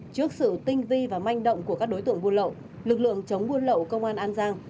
trước sự tinh vi và manh động của các đối tượng buôn lậu lực lượng chống buôn lậu công an an giang